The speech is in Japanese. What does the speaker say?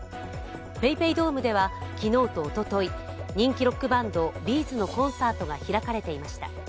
ＰａｙＰａｙドームでは昨日とおととい人気ロックバンドＢ’ｚのコンサートが開かれていました。